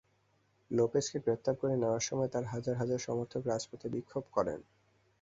লোপেজকে গ্রেপ্তার করে নেওয়ার সময় তাঁর হাজার হাজার সমর্থক রাজপথে বিক্ষোভ করেন।